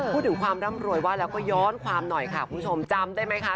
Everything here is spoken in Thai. พูดถึงความร่ำรวยว่าแล้วก็ย้อนความหน่อยค่ะคุณผู้ชมจำได้ไหมคะ